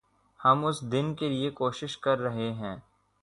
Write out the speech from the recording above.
ہم اس دن کے لئے کوشش کررہے ہیں